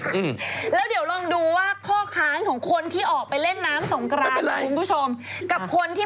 แล้วให้ผู้คนอานนอนพี่พาร์กวิจารณ์หน่อยว่าแต่ละเหตุผลเพราะอะไร